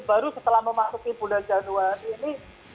baru setelah memasuki bulan januari ini